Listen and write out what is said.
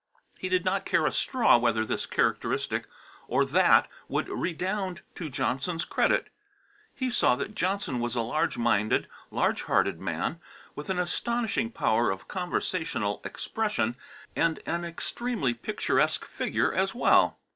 He did not care a straw whether this characteristic or that would redound to Johnson's credit. He saw that Johnson was a large minded, large hearted man, with an astonishing power of conversational expression, and an extremely picturesque figure as well.